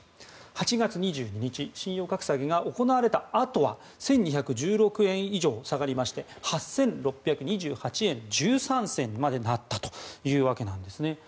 ８月２２日信用格下げが行われたあとは１２１６円以上下がりまして８６２８円１３銭にまでなったというわけなんですね。